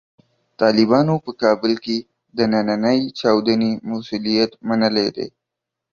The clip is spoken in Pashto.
طالبانو په کابل کې د نننۍ چاودنې مسوولیت منلی دی.